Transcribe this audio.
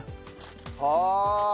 ああ。